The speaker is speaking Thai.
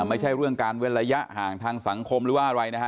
ไม่ใช่เรื่องการเว้นระยะห่างทางสังคมหรือว่าอะไรนะฮะ